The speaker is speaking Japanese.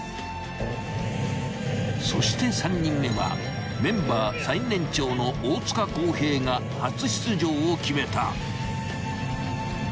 ［そして３人目はメンバー最年長の大塚康平が初出場を決めた］